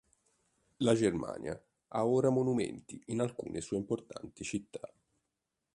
La Germania ha ora monumenti in alcune sue importanti città.